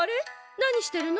何してるの？